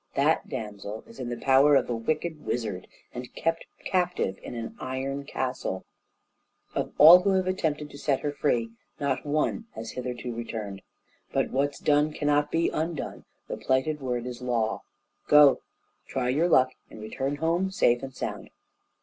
That damsel is in the power of a wicked wizard, and kept captive in an iron castle; of all who have attempted to set her free, not one has hitherto returned. But what's done cannot be undone; the plighted word is a law. Go! try your luck, and return home safe and sound!"